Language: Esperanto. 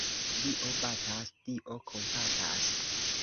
Dio batas, Dio kompatas.